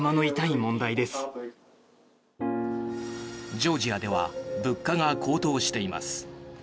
ジョージアでは物価が高騰しています。